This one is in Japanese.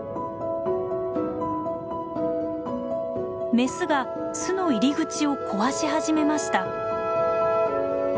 メスが巣の入り口を壊し始めました。